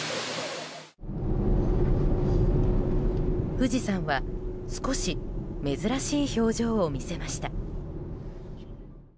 富士山は少し珍しい表情を見せました。